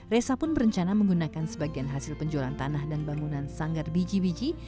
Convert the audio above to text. reza pun berencana menggunakan sebagian hasil penjualan tanah dan bangunan sanggar biji biji